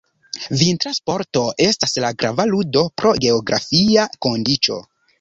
Vintra sporto estas la grava ludo pro geografia kondiĉo.